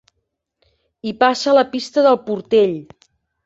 Hi passa la Pista del Portell.